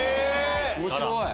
面白い！